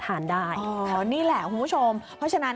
อะไรบ้างจ๊ะ